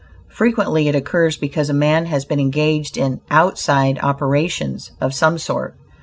Frequently it occurs because a man has been engaged in "outside operations," of some sort.